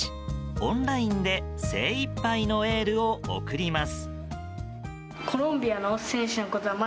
オンラインで精いっぱいのエールを送ります。